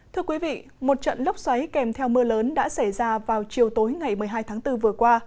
thưa quý vị một trận lốc xoáy kèm theo mưa lớn đã xảy ra vào chiều tối ngày một mươi hai tháng bốn vừa qua